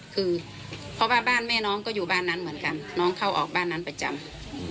คือเพราะว่าบ้านแม่น้องก็อยู่บ้านนั้นเหมือนกันน้องเข้าออกบ้านนั้นประจำ